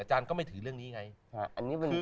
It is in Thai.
อาจารย์ก็ไม่ถือเรื่องนี้ไง